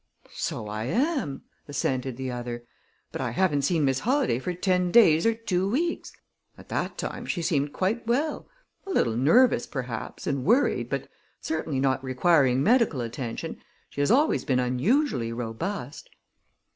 "So I am," assented the other. "But I haven't seen Miss Holladay for ten days or two weeks. At that time, she seemed quite well a little nervous, perhaps, and worried, but certainly not requiring medical attention. She has always been unusually robust."